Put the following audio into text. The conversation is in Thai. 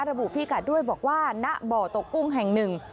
พี่กัดด้วยบอกว่าณบ่อตกกุ้งแห่งหนึ่ง